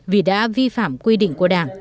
vì đã vi phạm quy định của đảng